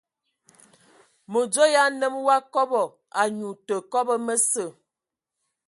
Mədzo ya nnəm wa kɔbɔ, anyu tə kɔbɔ məsə.